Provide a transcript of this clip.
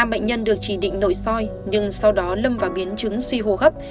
năm bệnh nhân được chỉ định nội soi nhưng sau đó lâm vào biến chứng suy hô hấp